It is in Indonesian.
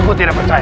aku tidak percaya